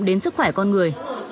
đến sức khỏe con người